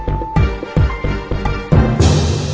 โปรดติดตามตอนต่อไป